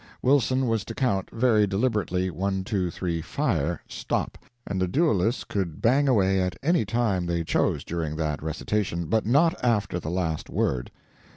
Wilson was to count, very deliberately, "One two three fire! stop!" and the duelists could bang away at any time they chose during that recitation, but not after the last word.